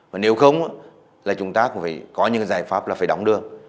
và nếu không là chúng ta cũng phải có những cái giải pháp là phải đóng đường